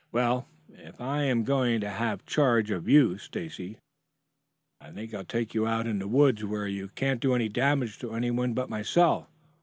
"Well, if I am going to have charge of you, Stacy, I think I'll take you out in the woods where you can't do any damage to any one but myself.